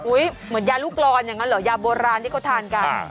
เหมือนยาลูกรอนอย่างนั้นเหรอยาโบราณที่เขาทานกัน